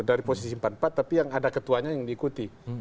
dari posisi empat puluh empat tapi yang ada ketuanya yang diikuti